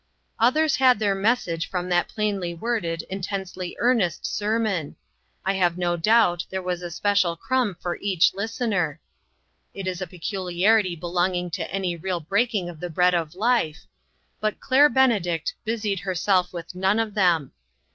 Others had their message from that plainly* worded, intensely earnest sermon. I have no doubt there was a special crumb for each LIFTED UP. 89 listener it is a peculiarity belonging to any real breaking of the bread of life but Claire Benedict busied herself with none of them.